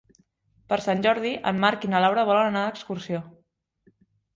Per Sant Jordi en Marc i na Laura volen anar d'excursió.